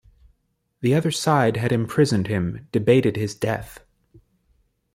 The other side had imprisoned him, debated his death.